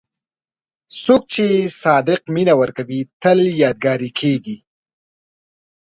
څوک چې صادق مینه ورکوي، تل یادګاري کېږي.